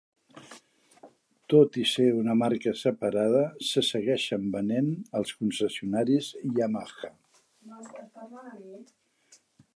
Tot i ser una marca separada, se segueixen venent als concessionaris Yamaha.